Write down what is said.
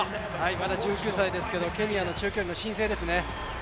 まだ１９歳ですけど、ケニアの中距離の新星ですね。